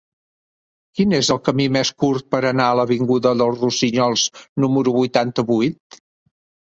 Quin és el camí més curt per anar a l'avinguda dels Rossinyols número vuitanta-vuit?